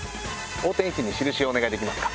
横転位置に印をお願いできますか。